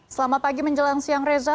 selamat pagi menjelang siang reza